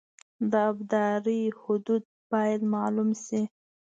د ابدارۍ حدود باید معلوم شي